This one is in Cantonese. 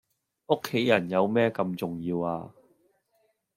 屋企人有咩咁重要呀?